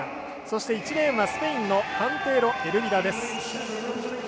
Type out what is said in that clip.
そして、１レーンはスペインのカンテーロエルビラです。